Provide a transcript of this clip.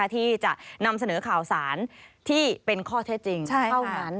ที่จะนำเสนอข่าวสารที่เป็นข้อเท็จจริงเท่านั้น